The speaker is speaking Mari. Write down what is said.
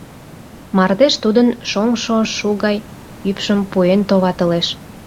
Мардеж тудын шоҥшо шу гай ӱпшым пуэн товатылеш.